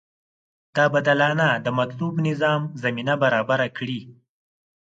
دا بدلانه د مطلوب نظام زمینه برابره کړي.